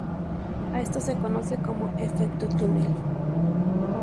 A esto se conoce como efecto túnel.